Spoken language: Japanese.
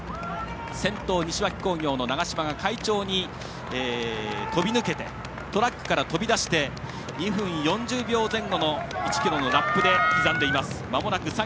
先頭、西脇工業の長嶋が快調に飛び抜けてトラックから飛び出して２分４０秒前後の１ｋｍのラップで刻んでいます。